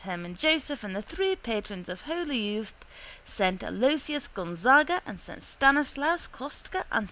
Herman Joseph and the three patrons of holy youth S. Aloysius Gonzaga and S. Stanislaus Kostka and S.